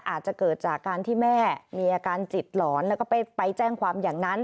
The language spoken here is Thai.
อาจจะเกิดจากการที่แม่มีอาการจิตหลอนแล้วก็ไปแจ้งความอย่างนั้น